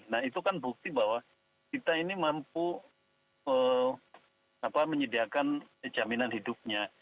nah itu kan bukti bahwa kita ini mampu menyediakan jaminan hidupnya